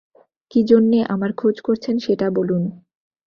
কী জন্যে আমার খোঁজ করছেন সেটা বলুন।